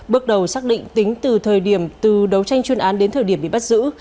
bước đầu xác định tính từ thời điểm từ đấu tranh chuyên án đến thời điểm bị bắt giữ